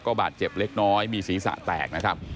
บาดเจ็บเล็กน้อยมีศีรษะแตกนะครับ